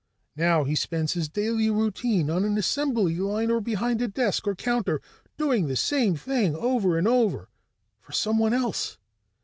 Now he spends his daily routine on an assembly line or behind a desk or counter, doing the same thing over and over for someone else.